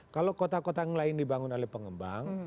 kalau kota kota yang lain dibangun oleh pengembang